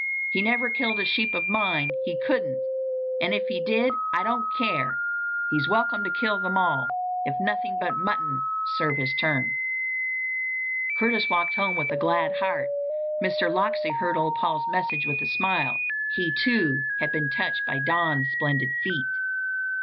"He never killed a sheep of mine—he couldn't! And if he did I don't care! He's welcome to kill them all, if nothing but mutton'll serve his turn." Curtis walked home with a glad heart. Mr. Locksley heard old Paul's message with a smile. He, too, had been touched by Don's splendid feat.